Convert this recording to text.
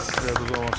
おめでとうございます！